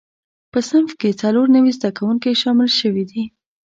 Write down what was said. په صنف کې څلور نوي زده کوونکي شامل شوي دي.